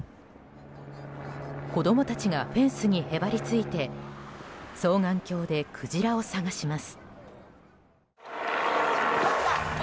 子供たちがフェンスにへばりついて双眼鏡でクジラを探します。